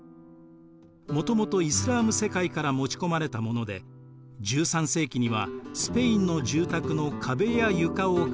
もともとイスラーム世界から持ち込まれたもので１３世紀にはスペインの住宅の壁や床を飾るようになりました。